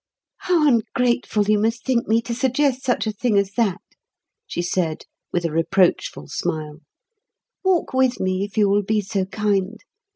"How ungrateful you must think me, to suggest such a thing as that," she said with a reproachful smile. "Walk with me if you will be so kind.